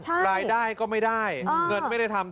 รายได้ก็ไม่ได้เงินไม่ได้ทำ